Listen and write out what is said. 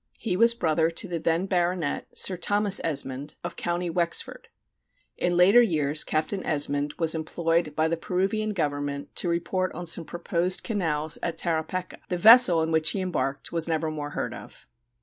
He was brother to the then baronet, Sir Thomas Esmonde, of Co. Wexford. In later years Captain Esmonde was employed by the Peruvian government to report on some proposed canals at Tarapaca. The vessel in which he embarked was never more heard of.